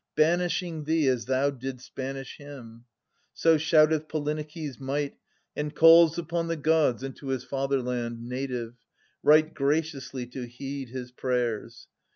Banishing thee as thou didst banish him. So shouteth Polyneikes* might, and calls Upon the Gods unto his fatherland 640 Native, right graciously to heed his prayers.